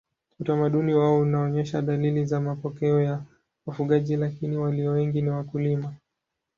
Utamaduni wao unaonyesha dalili za mapokeo ya wafugaji lakini walio wengi ni wakulima.